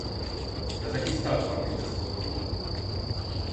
Kazakistan Fabrikası kuruldu.